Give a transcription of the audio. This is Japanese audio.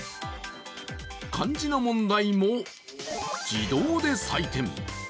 漢字の問題も自動で採点。